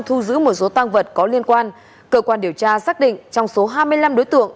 thu giữ một số tăng vật có liên quan cơ quan điều tra xác định trong số hai mươi năm đối tượng